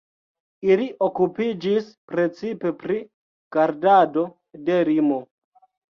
Ili okupiĝis precipe pri gardado de limo.